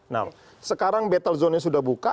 nah sekarang battle zone nya sudah buka